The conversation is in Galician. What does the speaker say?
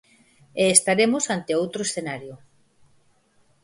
E estaremos ante outro escenario.